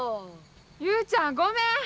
雄ちゃんごめん。